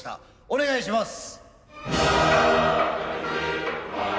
お願いします。